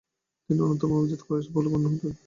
তিনি অন্যতম অভিজাত কুরাইশ বলে গণ্য হতেন।